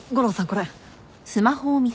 これ。